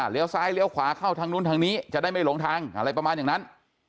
ซ้ายเลี้ยวขวาเข้าทางนู้นทางนี้จะได้ไม่หลงทางอะไรประมาณอย่างนั้น